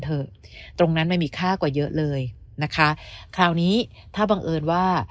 ตรงนั้นมันมีค่ากว่าเยอะเลยนะคะคราวนี้ถ้าบังเอิญว่า